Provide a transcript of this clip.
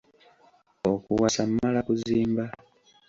Okuwasa mmala kuzimba.